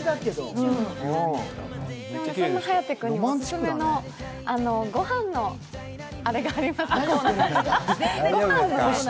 そんな颯君にオススメのご飯のあれがあります。